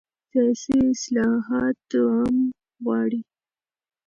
سیاسي اصلاحات دوام غواړي